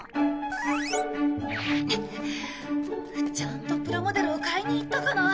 ちゃんとプラモデルを買いに行ったかな？